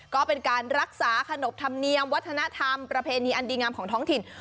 ก็เป็นการรักษาขนบธรรมเนียมวัฒนธรรมประเพณีอันดีงามของท้องถิ่น